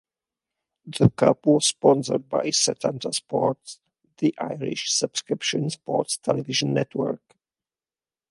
The cup was sponsored by Setanta Sports, the Irish subscription sports television network.